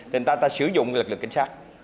thì ta sử dụng lực lực cảnh sát